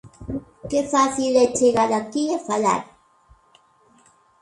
Que fácil é chegar aquí e falar.